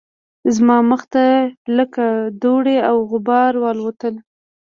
زما مخ ته لکه دوړې او غبار والوتل